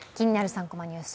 ３コマニュース」